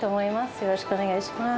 よろしくお願いします。